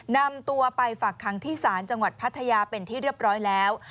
นำตัวไปฝักคังที่ศาลจังหวัดพัทยาเป็นที่เรียบร้อยแล้ว